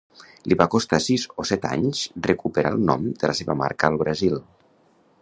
Li va costar sis o set anys recuperar el nom de la seva marca al Brasil.